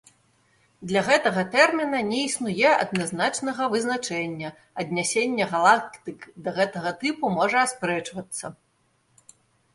Для гэтага тэрміна не існуе адназначнага вызначэння, аднясенне галактык да гэтага тыпу можа аспрэчвацца.